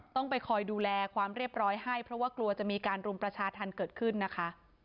ต้องไปคอยดูแลความเรียบร้อยให้เพราะว่ากลัวจะมีการรุมประชาธรรมเกิดขึ้นนะคะ